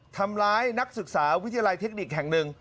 นักศึกษาวิทยาลัยเทคนิคแห่งหนึ่ง